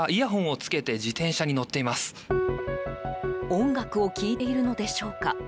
音楽を聴いているのでしょうか。